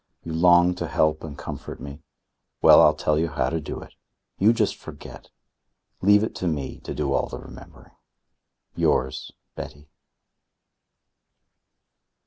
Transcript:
You long to help and comfort me. Well, I'll tell you how to do it. You just forget. Leave it to me to do all the remembering. "Yours, Betty."